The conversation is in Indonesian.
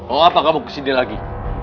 oh apa kamu kesini lagi